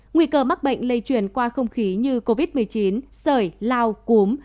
nguy cơ mắc bệnh lây truyền qua không khí như covid một mươi chín sởi lao cúm